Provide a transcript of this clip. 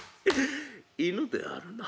犬であるな。